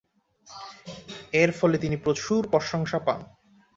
এর ফলে তিনি প্রচুর প্রশংসা পান।